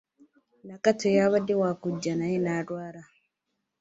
Nakato yabadde wakujja naye nalwala.